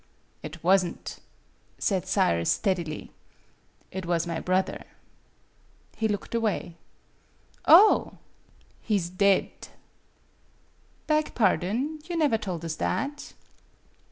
"It was n't," said Sayre, steadily. "It was my brother." He looked away. "Oh!" " He 's dead." " Beg pardon. You never told us that."